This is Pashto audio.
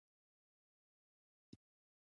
ایا ژړا زما لپاره ښه ده؟